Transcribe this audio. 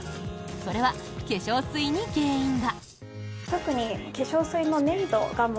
それは化粧水に原因が。